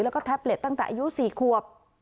แล้วก็แท็บเล็ตตั้งแต่อายุ๔ควบ